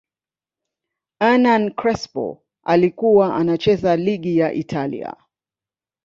ernan Crespo alikuwa anacheza ligi ya Italia